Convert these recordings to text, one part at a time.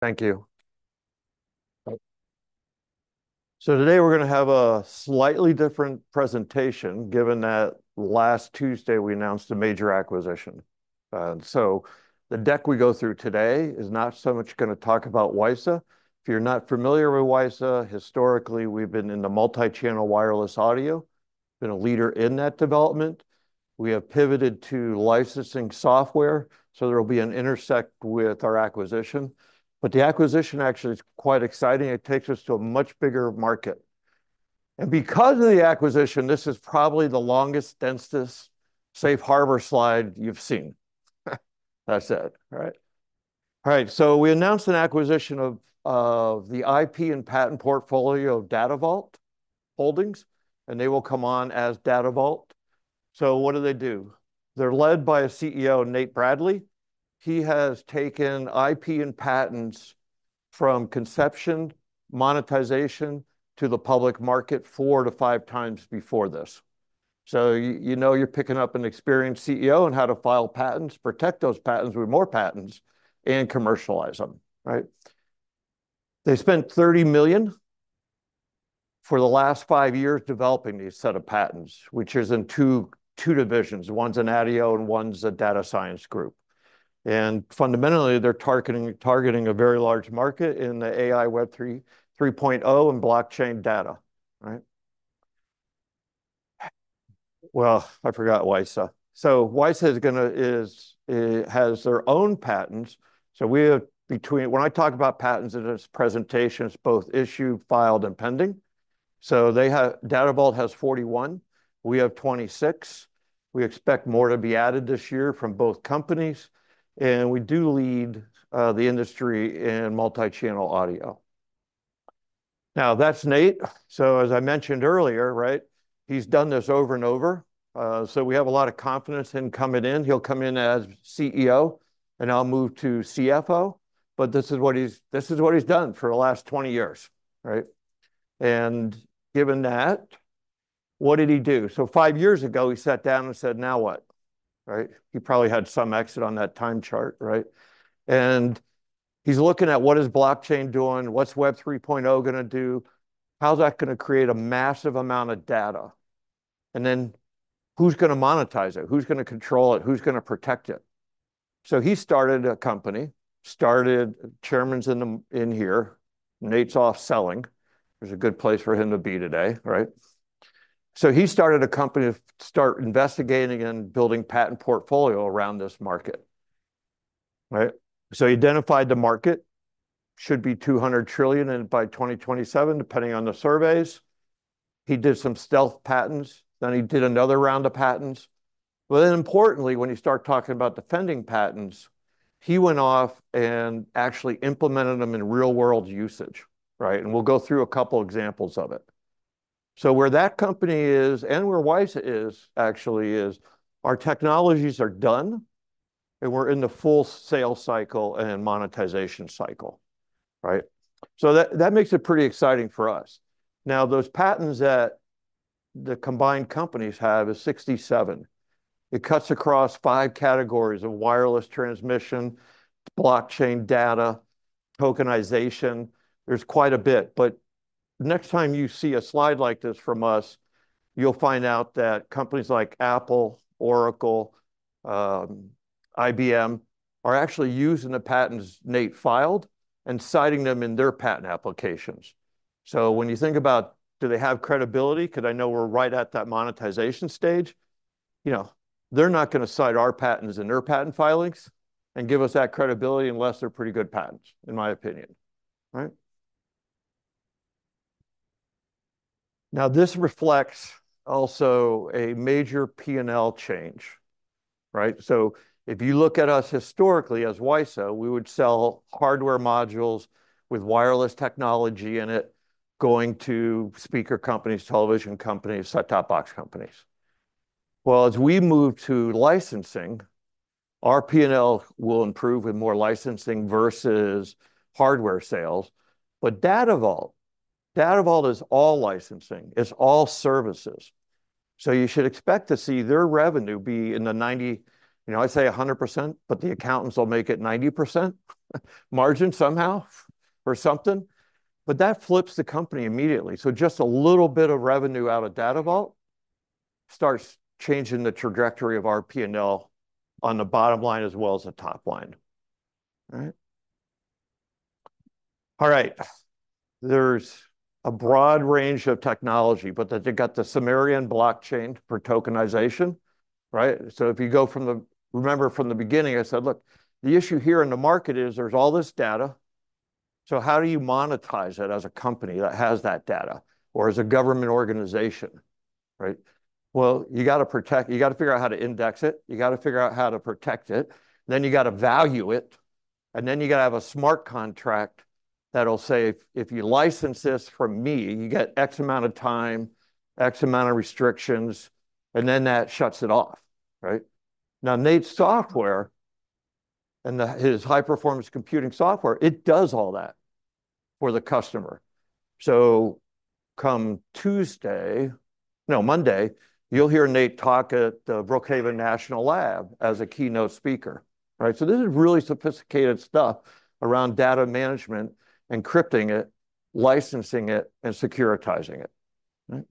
Thank you. So today we're gonna have a slightly different presentation, given that last Tuesday we announced a major acquisition. So the deck we go through today is not so much gonna talk about WiSA. If you're not familiar with WiSA, historically, we've been in the multi-channel wireless audio, been a leader in that development. We have pivoted to licensing software, so there will be an intersect with our acquisition. But the acquisition actually is quite exciting. It takes us to a much bigger market. And because of the acquisition, this is probably the longest, densest safe harbor slide you've seen. I said, right? All right, so we announced an acquisition of, of the IP and patent portfolio of Data Vault Holdings, and they will come on as Data Vault. So what do they do? They're led by a CEO, Nate Bradley. He has taken IP and patents from conception, monetization, to the public market four to five times before this. So you know you're picking up an experienced CEO on how to file patents, protect those patents with more patents, and commercialize them, right? They spent $30 million for the last five years developing these set of patents, which is in two divisions. One's in ADIO and one's a data science group. And fundamentally, they're targeting a very large market in the AI, Web 3.0 and blockchain data, right? Well, I forgot WiSA. So WiSA is, has their own patents, so we are between. When I talk about patents in this presentation, it's both issued, filed, and pending. So they have. Data Vault has 41, we have 26. We expect more to be added this year from both companies, and we do lead the industry in multi-channel audio. Now, that's Nate. So as I mentioned earlier, right, he's done this over and over, so we have a lot of confidence in him coming in. He'll come in as CEO, and I'll move to CFO. But this is what he's done for the last twenty years, right? And given that, what did he do? So five years ago, he sat down and said, "Now what?" Right? He probably had some exit on that time chart, right? And he's looking at what is blockchain doing, what's Web 3.0 gonna do, how's that gonna create a massive amount of data? And then, who's gonna monetize it? Who's gonna control it? Who's gonna protect it? So he started a company, started... Chairman's in the, in here. Nate's off selling, which is a good place for him to be today, right? So he started a company to start investigating and building patent portfolio around this market, right? So he identified the market, should be $200 trillion, and by 2027, depending on the surveys, he did some stealth patents, then he did another round of patents. But then importantly, when you start talking about defending patents, he went off and actually implemented them in real world usage, right? And we'll go through a couple examples of it. So where that company is, and where WiSA is, actually, is our technologies are done, and we're in the full sales cycle and monetization cycle, right? So that, that makes it pretty exciting for us. Now, those patents that the combined companies have is 67. It cuts across five categories of wireless transmission, blockchain data, tokenization. There's quite a bit, but next time you see a slide like this from us, you'll find out that companies like Apple, Oracle, IBM, are actually using the patents Nate filed and citing them in their patent applications. So when you think about, do they have credibility? 'Cause I know we're right at that monetization stage. You know, they're not gonna cite our patents in their patent filings and give us that credibility unless they're pretty good patents, in my opinion. Right? Now, this reflects also a major P&L change, right? So if you look at us historically as WiSA, we would sell hardware modules with wireless technology in it, going to speaker companies, television companies, set-top box companies. Well, as we move to licensing, our P&L will improve with more licensing versus hardware sales. But Data Vault, Data Vault is all licensing. It's all services. So you should expect to see their revenue be in the 90%, you know, I'd say 100%, but the accountants will make it 90% margin somehow or something. But that flips the company immediately. So just a little bit of revenue out of Data Vault starts changing the trajectory of our P&L on the bottom line as well as the top line. Right? All right, there's a broad range of technology, but they've got the Sumerian blockchain for tokenization, right? So if you go from the. Remember from the beginning, I said, "Look, the issue here in the market is there's all this data, so how do you monetize it as a company that has that data or as a government organization, right?" Well, you gotta protect. You gotta figure out how to index it, you gotta figure out how to protect it, then you gotta value it, and then you gotta have a smart contract that'll say, "If, if you license this from me, you get X amount of time, X amount of restrictions," and then that shuts it off, right? Now, Nate's software and the, his high-performance computing software, it does all that for the customer. So come Tuesday, no, Monday, you'll hear Nate talk at the Brookhaven National Laboratory as a keynote speaker, right? So this is really sophisticated stuff around data management, encrypting it, licensing it, and securitizing it, right?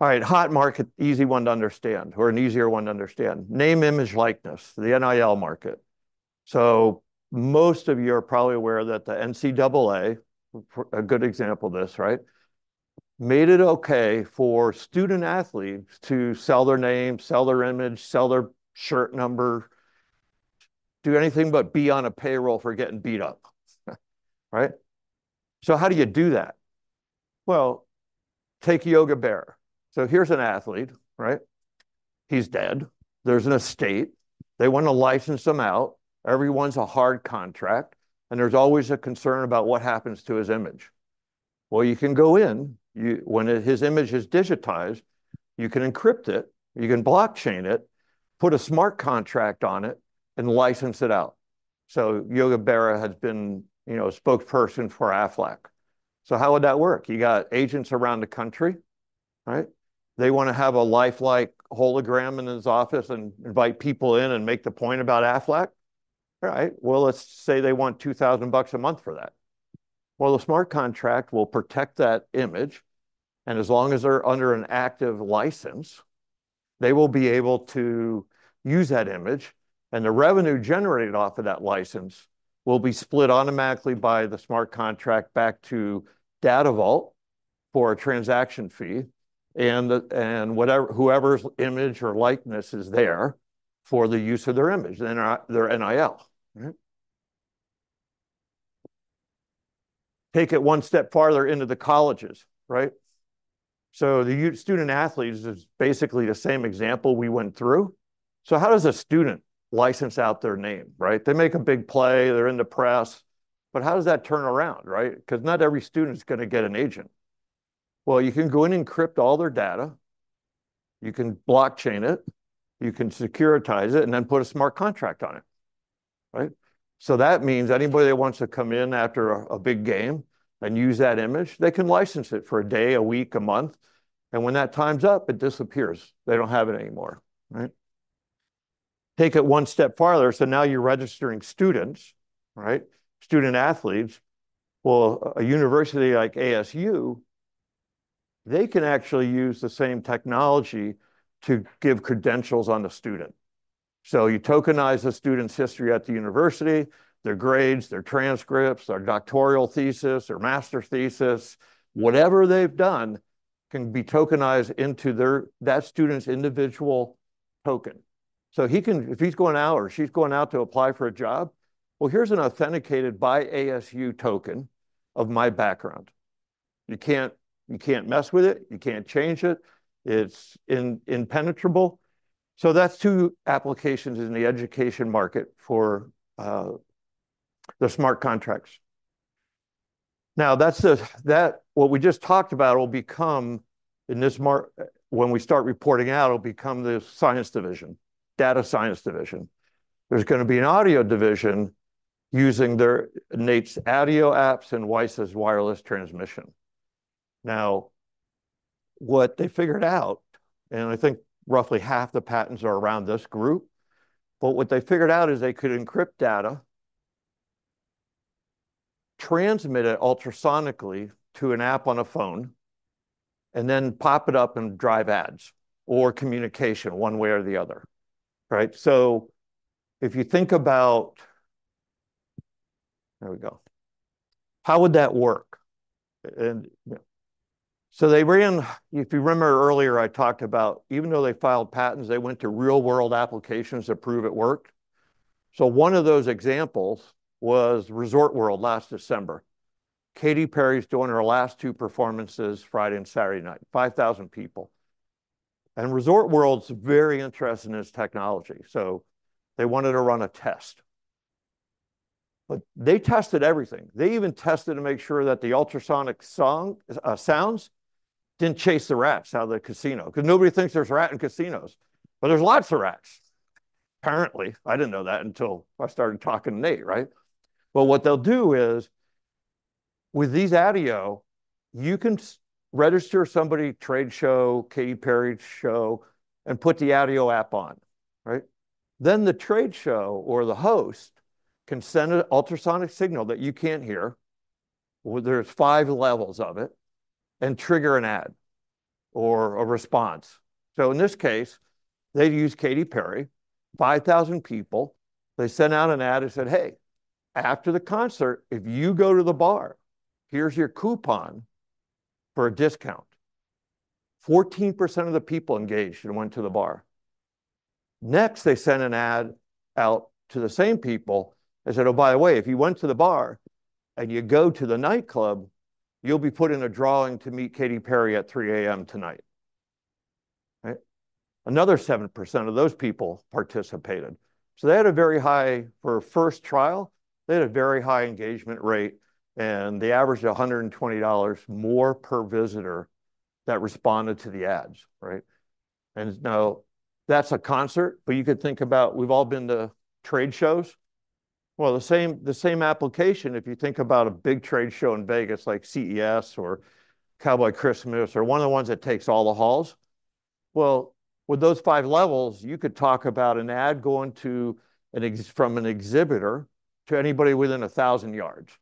All right, hot market, easy one to understand, or an easier one to understand. Name, image, likeness, the NIL market. So most of you are probably aware that the NCAA, a good example of this, right? Made it okay for student-athletes to sell their name, sell their image, sell their shirt number, do anything but be on a payroll for getting beat up, right? So how do you do that? Well, take Yogi Berra. So here's an athlete, right? He's dead. There's an estate. They wanna license him out. Ever sign a hard contract, and there's always a concern about what happens to his image. Well, you can go in, you, when his image is digitized, you can encrypt it, you can blockchain it, put a smart contract on it, and license it out. So Yogi Berra has been, you know, a spokesperson for Aflac. So how would that work? You got agents around the country, right? They wanna have a lifelike hologram in his office and invite people in and make the point about Aflac. All right, well, let's say they want $2,000 a month for that. The smart contract will protect that image, and as long as they're under an active license, they will be able to use that image, and the revenue generated off of that license will be split automatically by the smart contract back to Data Vault for a transaction fee, and whatever, whoever's image or likeness is there for the use of their image, their NIL, right? Take it one step farther into the colleges, right? The student athletes is basically the same example we went through. How does a student license out their name, right? They make a big play, they're in the press, but how does that turn around, right? 'Cause not every student's gonna get an agent. You can go in and encrypt all their data, you can blockchain it, you can securitize it, and then put a smart contract on it, right? That means anybody that wants to come in after a big game and use that image, they can license it for a day, a week, a month, and when that time's up, it disappears. They don't have it anymore, right? Take it one step farther. Now you're registering students, right? Student-athletes. A university like ASU, they can actually use the same technology to give credentials on the student. You tokenize the student's history at the university, their grades, their transcripts, their doctoral thesis, their master's thesis. Whatever they've done can be tokenized into their, that student's individual token. So he can if he's going out or she's going out to apply for a job, well, here's an authenticated by ASU token of my background. You can't, you can't mess with it, you can't change it. It's impenetrable. That's two applications in the education market for the smart contracts. Now, that's what we just talked about will become, in this market, when we start reporting out, it'll become the science division, data science division. There's gonna be an ADIO division using their, Nate's ADIO apps and WiSA's wireless transmission. Now, what they figured out, and I think roughly half the patents are around this group, but what they figured out is they could encrypt data, transmit it ultrasonically to an app on a phone, and then pop it up and drive ads or communication one way or the other, right? They ran, if you remember earlier, I talked about even though they filed patents, they went to real-world applications to prove it worked. One of those examples was Resorts World last December. Katy Perry's doing her last two performances Friday and Saturday night, 5,000 people, and Resorts World's very interested in this technology, so they wanted to run a test. But they tested everything. They even tested to make sure that the ultrasonic song sounds didn't chase the rats out of the casino, 'cause nobody thinks there's rats in casinos, but there's lots of rats, apparently. I didn't know that until I started talking to Nate, right? What they'll do is, with these ADIO, you can register somebody, trade show, Katy Perry show, and put the ADIO app on, right? Then the trade show or the host can send an ultrasonic signal that you can't hear, well, there's five levels of it, and trigger an ad or a response. So in this case, they've used Katy Perry, 5,000 people. They sent out an ad and said, "Hey, after the concert, if you go to the bar, here's your coupon for a discount." 14% of the people engaged and went to the bar. Next, they sent an ad out to the same people and said, "Oh, by the way, if you went to the bar, and you go to the nightclub, you'll be put in a drawing to meet Katy Perry at 3:00 A.M. tonight," right? Another 7% of those people participated. They had a very high engagement rate for a first trial, and they averaged $120 more per visitor that responded to the ads, right? And now, that's a concert, but you could think about, we've all been to trade shows. The same application, if you think about a big trade show in Vegas, like CES, or Cowboy Christmas, or one of the ones that takes all the halls, with those five levels, you could talk about an ad going from an exhibitor to anybody within 1,000 yards.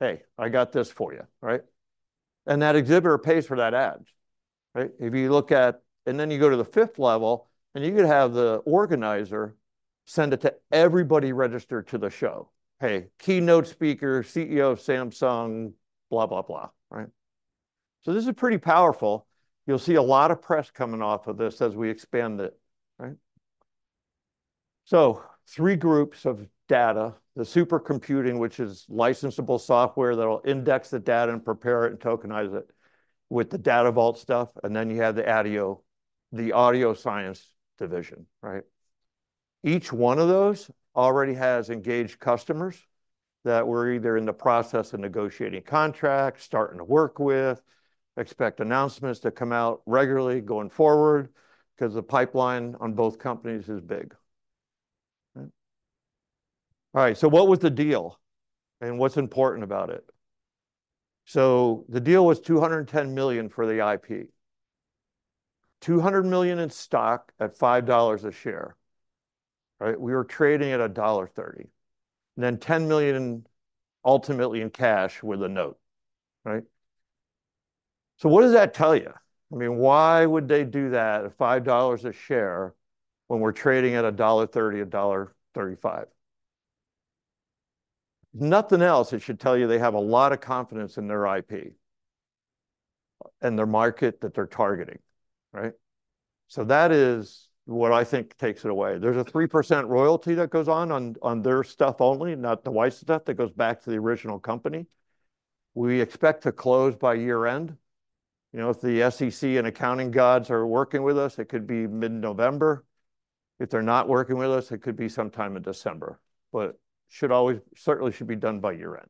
"Hey, I got this for you," right? And that exhibitor pays for that ad, right? And then you go to the fifth level, and you could have the organizer send it to everybody registered to the show. Hey, keynote speaker, CEO of Samsung," blah, blah, blah, right? So this is pretty powerful. You'll see a lot of press coming off of this as we expand it, right? So three groups of data: the supercomputing, which is licensable software that'll index the data and prepare it and tokenize it with the Data Vault stuff, and then you have the ADIO, the Audio Science Division, right? Each one of those already has engaged customers that we're either in the process of negotiating contracts, starting to work with. Expect announcements to come out regularly going forward, because the pipeline on both companies is big. Right. All right, so what was the deal, and what's important about it? So the deal was $210 million for the IP. $200 million in stock at $5 a share, right? We were trading at $1.30. Then $10 million ultimately in cash with a note, right? So what does that tell you? I mean, why would they do that at $5 a share when we're trading at $1.30, $1.35? Nothing else, it should tell you they have a lot of confidence in their IP and their market that they're targeting, right? So that is what I think takes it away. There's a 3% royalty that goes on their stuff only, not the WiSA stuff, that goes back to the original company. We expect to close by year-end. You know, if the SEC and accounting gods are working with us, it could be mid-November. If they're not working with us, it could be sometime in December, but should certainly be done by year-end.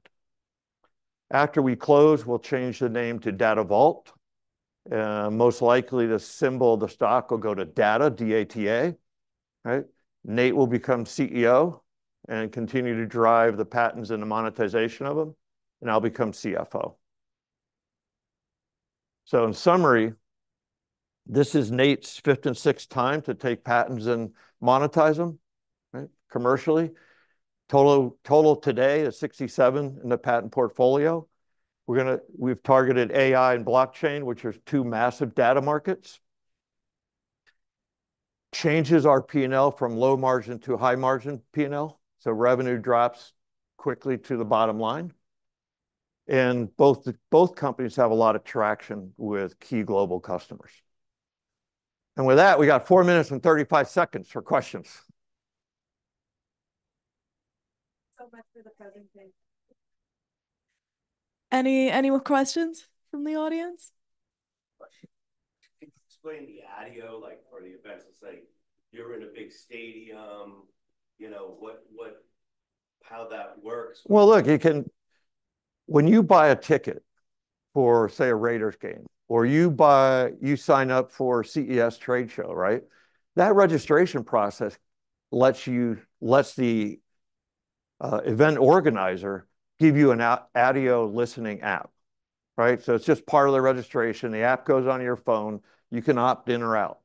After we close, we'll change the name to Data Vault. Most likely, the symbol of the stock will go to data, D-A-T-A, right? Nate will become CEO and continue to drive the patents and the monetization of them, and I'll become CFO. In summary, this is Nate's fifth and sixth time to take patents and monetize them, right, commercially. Total today is 67 in the patent portfolio. We've targeted AI and blockchain, which are two massive data markets. Changes our P&L from low margin to high margin P&L, so revenue drops quickly to the bottom line, and both companies have a lot of traction with key global customers. With that, we got 4 minutes and 35 seconds for questions. So much for the presentation. Any more questions from the audience? Can you explain the ADIO, like, for the events, let's say, you're in a big stadium, you know, what, how that works? Well, look, you can. When you buy a ticket for, say, a Raiders game, or you buy—you sign up for CES trade show, right? That registration process lets you, lets the event organizer give you an ADIO listening app, right? So it's just part of the registration. The app goes on your phone. You can opt in or out.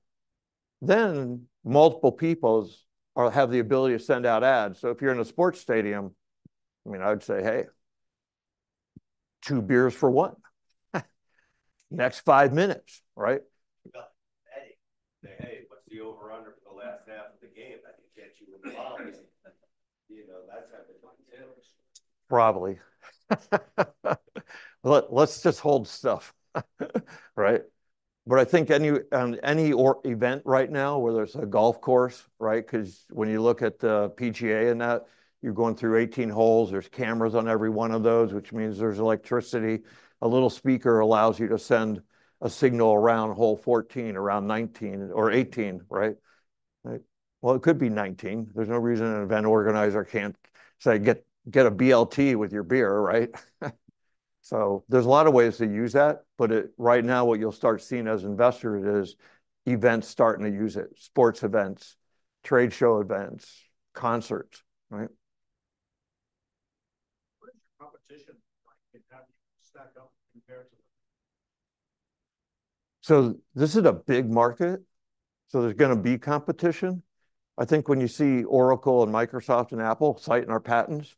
Then, multiple peoples will have the ability to send out ads. So if you're in a sports stadium, I mean, I would say, "Hey, two beers for one. Next five minutes," right? Hey, say, "Hey, what's the over under for the last half of the game?" I can catch you in the lobby. You know, that type of thing too. Probably. Let's just hold stuff, right? But I think any event right now, whether it's a golf course, right? 'Cause when you look at the PGA and that, you're going through 18 holes, there's cameras on every one of those, which means there's electricity. A little speaker allows you to send a signal around hole 14, around 19 or 18, right? Right. Well, it could be 19. There's no reason an event organizer can't say, "Get a BLT with your beer," right? So there's a lot of ways to use that, but right now, what you'll start seeing as investors is events starting to use it, sports events, trade show events, concerts, right? What is your competition like? How do you stack up compared to them? So this is a big market, so there's gonna be competition. I think when you see Oracle and Microsoft and Apple citing our patents,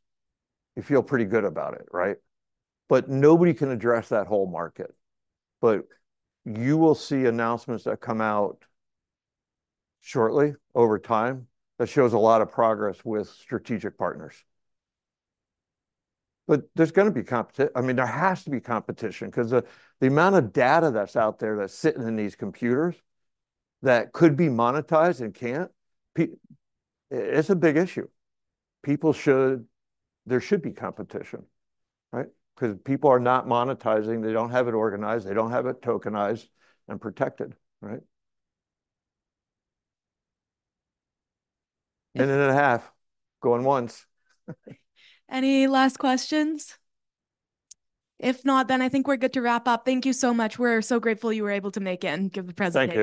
you feel pretty good about it, right? But nobody can address that whole market. But you will see announcements that come out shortly, over time, that shows a lot of progress with strategic partners. But there's gonna be competition. I mean, there has to be competition, 'cause the amount of data that's out there that's sitting in these computers that could be monetized and can't, it's a big issue. People should... There should be competition, right? 'Cause people are not monetizing. They don't have it organized. They don't have it tokenized and protected, right? Minute and a half, going once. Any last questions? If not, then I think we're good to wrap up. Thank you so much. We're so grateful you were able to make it and give the presentation.